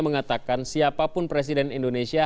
mengatakan siapapun presiden indonesia